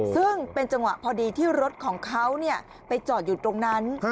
ซึ่งเป็นจังหวะพอดีที่รถของเขาไปจอดอยู่ตรงนั้น